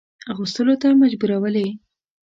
اغوستلو ته مجبورولې.